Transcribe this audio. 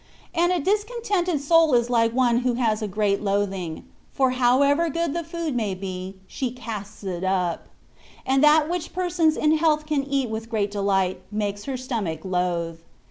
And a discontented soul is like one who has a great loathing ; for how ever good the food may be, she casts it up; and that which persons in health can cat, with great delight, .makes her stomach loathe.